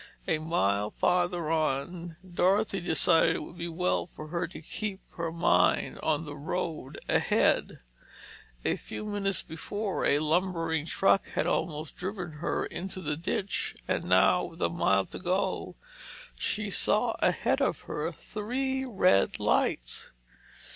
A mile farther on, Dorothy decided it would be well for her to keep her mind on the road ahead. A few minutes before, a lumbering truck had almost driven her into the ditch, and now, with a mile to go, she saw ahead of her three red lights.